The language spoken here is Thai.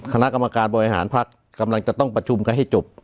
คณะกรรมการบริหารภักดิ์กำลังจะต้องประชุมกันให้จบ